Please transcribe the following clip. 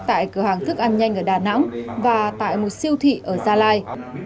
tại cửa hàng thức ăn nhanh ở đà nẵng và tại một siêu thị ở gia lai